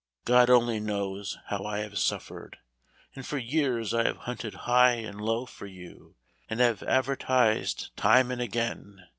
God only knows how I have suffered, and for years I have hunted high and low for you, and have advertised time and again.